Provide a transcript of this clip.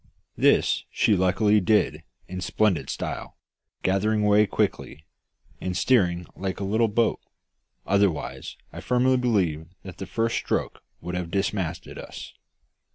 This she luckily did in splendid style, gathering way quickly, and steering like a little boat, otherwise I firmly believe that the first stroke would have dismasted us.